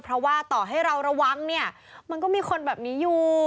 เพราะว่าต่อให้เราระวังเนี่ยมันก็มีคนแบบนี้อยู่